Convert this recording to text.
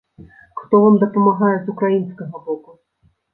Хто вам дапамагае з украінскага боку?